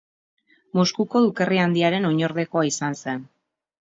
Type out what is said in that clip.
Moskuko Dukerri Handiaren oinordekoa izan zen.